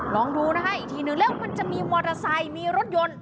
ลองดูนะคะอีกทีนึงแล้วมันจะมีมอเตอร์ไซค์มีรถยนต์